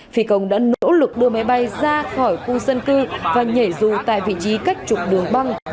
phi công đã nỗ lực đưa máy bay ra khỏi khu dân cư và nhảy dù tại vị trí cách trục đường băng